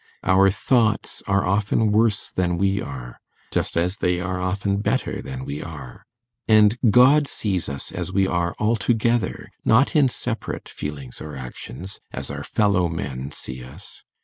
Our thoughts are often worse than we are, just as they are often better than we are. And God sees us as we are altogether, not in separate feelings or actions, as our fellow men see us.